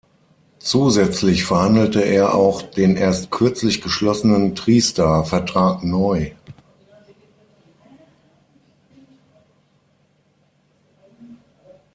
Zusätzlich verhandelte er auch den erst kürzlich geschlossenen Tri-Star-Vertrag neu.